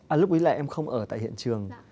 à lúc ấy là em không ở tại hiện trường